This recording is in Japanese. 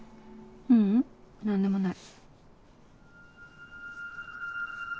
ううん何でもない。